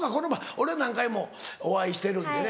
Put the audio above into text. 俺は何回もお会いしてるんでね。